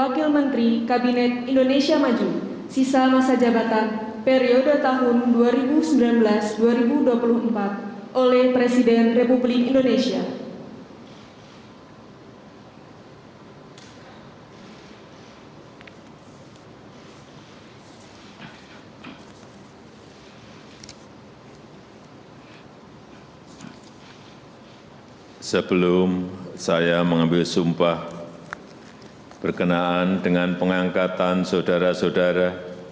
sebelum saya mengambil sumpah berkenaan dengan pengangkatan saudara saudara